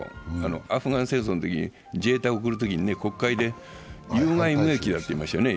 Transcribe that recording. アフガン戦争のとき、自衛隊を送るときに国会で有害無益だと言いましたよね。